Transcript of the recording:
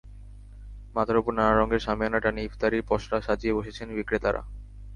মাথার ওপর নানা রঙের শামিয়ানা টানিয়ে ইফতারির পসরা সাজিয়ে বসেছেন বিক্রেতারা।